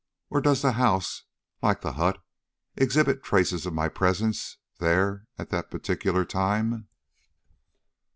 or does the house, like the hut, exhibit traces of my presence there at that particular time?"